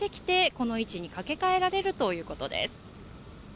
この位置に架け替えられるということです。